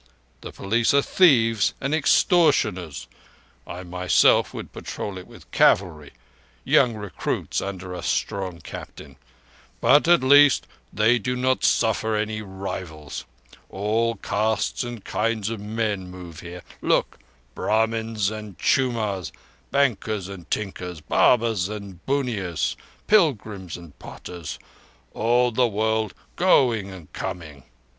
The police are thieves and extortioners (I myself would patrol it with cavalry—young recruits under a strong captain), but at least they do not suffer any rivals. All castes and kinds of men move here. "Look! Brahmins and chumars, bankers and tinkers, barbers and bunnias, pilgrims and potters—all the world going and coming.